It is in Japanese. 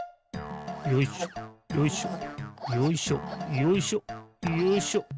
よいしょよいしょよいしょよいしょよいしょ。